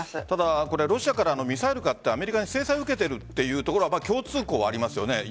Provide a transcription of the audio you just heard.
ただロシアからのミサイルがあってアメリカが制裁を受けているところは共通項ありますよね。